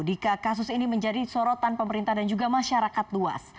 dika kasus ini menjadi sorotan pemerintah dan juga masyarakat luas